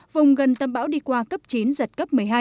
vùng gần tâm bão đi qua cấp chín giật cấp một mươi hai